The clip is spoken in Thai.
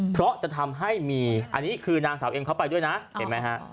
เพราะจะทำให้มีอันนี้คือนางสาวเอ็มเขาไปด้วยนะเห็นไหมฮะ